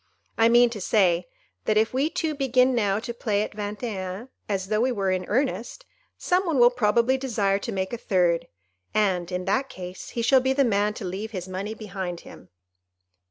I mean to say, that if we two begin now to play at Vingt et un as though we were in earnest, some one will probably desire to make a third, and, in that case, he shall be the man to leave his money behind him."